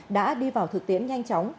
đã đi vào thực tiễn nhanh chóng